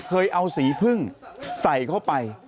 เคยเอาสีพึ่งใส่เข้าไป